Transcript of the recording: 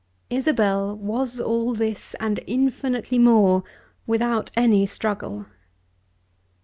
Isabel was all this and infinitely more without any struggle.